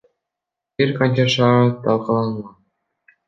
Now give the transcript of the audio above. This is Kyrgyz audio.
Бир канча шаар талкаланган.